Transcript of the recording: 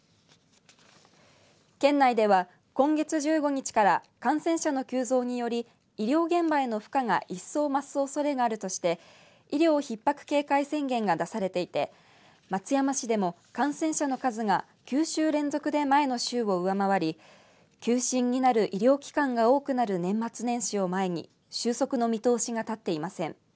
県内では今月１５日から感染者の急増により医療現場への負荷が一層増すおそれがあるとして医療ひっ迫警戒宣言が出されていて松山市でも感染者の数が９週連続で前の週を上回り休診になる医療機関が多くなる年末年始を前に収束の見通しが立っていません。